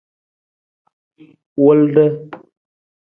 Wulda.